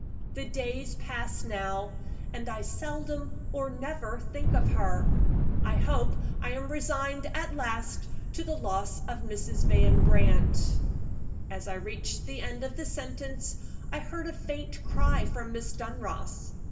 "The days pass now, and I seldom or never think of her; I hope I am resigned at last to the loss of Mrs. Van Brandt." As I reached the end of the sentence, I heard a faint cry from Miss Dunross.